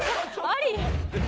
あり？